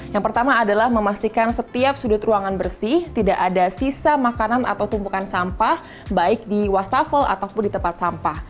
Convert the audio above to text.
yang pertama adalah memastikan setiap sudut ruangan bersih tidak ada sisa makanan atau tumpukan sampah baik di wastafel ataupun di tempat sampah